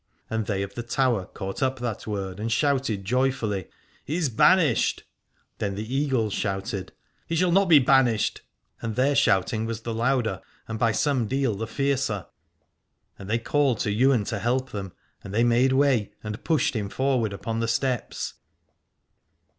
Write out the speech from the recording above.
And they of the Tower caught up that word and shouted joyfully : He is banished. Then the Eagles shouted : He shall not be banished ; and their shouting was the louder and by 243 Alad ore some deal the fiercer. And they called to Ywain to help them, and they made way and pushed him forward upon the steps.